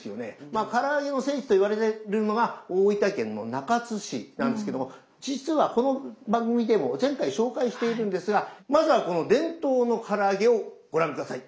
まあから揚げの聖地と言われてるのが大分県の中津市なんですけども実はこの番組でも前回紹介しているんですがまずはこの伝統のから揚げをご覧下さい。